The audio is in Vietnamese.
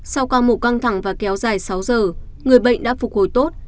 sau qua một căng thẳng và kéo dài sáu giờ người bệnh đã phục hồi tốt